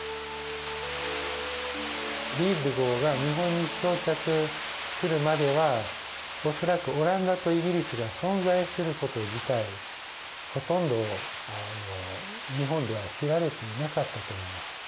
「リーフデ号」が日本に漂着するまでは恐らくオランダとイギリスが存在すること自体ほとんど日本では知られていなかったと思います。